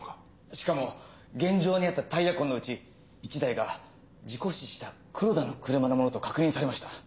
しかも現場にあったタイヤ痕のうち１台が事故死した黒田の車のものと確認されました。